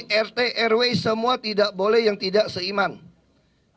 banyak terbanyakan akhirnya api pikir suka the list orange yang rezeki ini perbuatan ceritanya